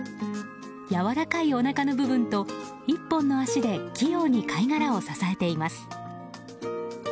やわらかいおなかの部分と１本の脚で器用に貝殻を支えています。